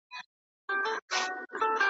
یوه بل ته چي طبیب سي د زاړه پرهار حبیب سي `